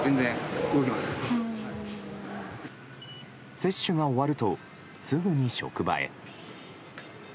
接種が終わると、すぐに職場へ。